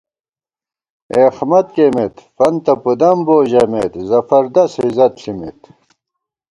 اېخمت کېئیمېت فنتہ پُدَم بو ژَمېت ، زفردس عزت ݪِمېت